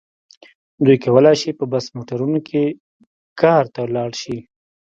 دوی کولای شي په بس موټرونو کې کار ته لاړ شي.